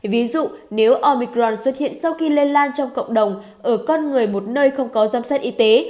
ví dụ nếu omicron xuất hiện sau khi lây lan trong cộng đồng ở con người một nơi không có giám sát y tế